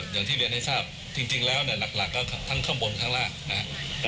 อย่างที่เรียนให้ทราบจริงแล้วเนี่ยหลักก็ทั้งข้างบนข้างล่างนะครับ